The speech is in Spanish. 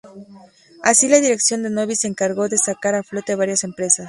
Así la dirección de Nobis se encargó de sacar a flote varias empresas.